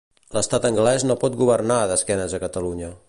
L'estat anglès no pot governar d'esquenes a Catalunya.